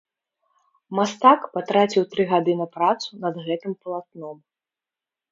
Мастак патраціў тры гады на працу над гэтым палатном.